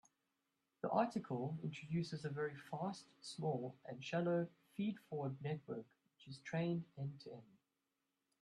The article introduces a very fast, small, and shallow feed-forward network which is trained end-to-end.